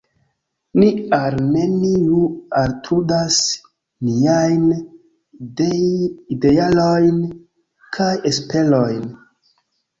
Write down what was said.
Ni al neniu altrudas niajn idealoin kaj esperojn.